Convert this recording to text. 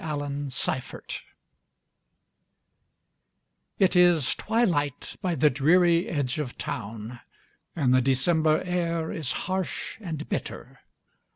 DINGY STREET It is twilight by the dreary edge of town, And the December air Is harsh and bitter.